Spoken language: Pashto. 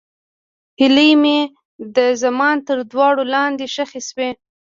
هیلې مې د زمان تر دوړو لاندې ښخې شوې.